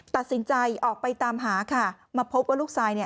ตัดสินใจออกไปตามหาค่ะมาพบว่าลูกชายเนี่ย